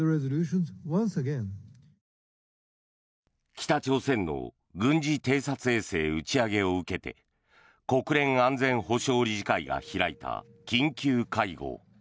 北朝鮮の軍事偵察衛星打ち上げを受けて国連安全保障理事会が開いた緊急会合。